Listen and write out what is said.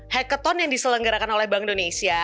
hacketon yang diselenggarakan oleh bank indonesia